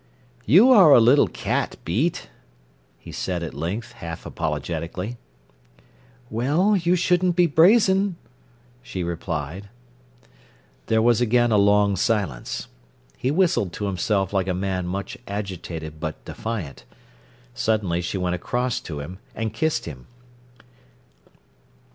"You are a little cat, Beat," he said at length, half apologetically. "Well, you shouldn't be brazen," she replied. There was again a long silence. He whistled to himself like a man much agitated but defiant. Suddenly she went across to him and kissed him.